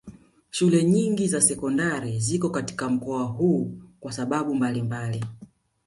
Shule nyingi za sekondari ziko katika mkoa huu kwa sababu mbalimbali